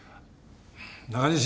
中西。